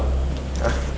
udah enak gak